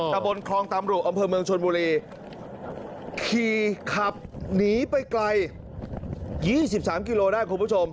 ตะบนคลองตำรุกอำเภอเมืองชนบุรีคีย์ขับหนีไปไกลยี่สิบสามกิโลได้ครับคุณผู้ชม